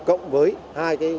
cộng với hai cái